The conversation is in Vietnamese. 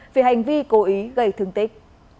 vì hành vi cố ý gây thương tích